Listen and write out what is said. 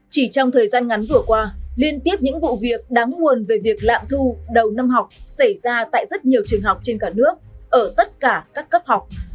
chỉ trong thời gian ngắn vừa qua liên tiếp những vụ việc đáng nguồn về việc lạm thu đầu năm học xảy ra tại rất nhiều trường học trên cả nước ở tất cả các cấp học